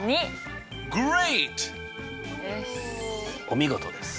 お見事です！